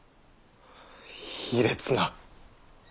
卑劣な！